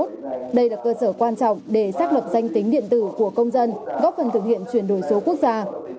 đây là cơ sở quan trọng để xác lập danh tính điện tử của công dân góp phần thực hiện chuyển đổi số quốc gia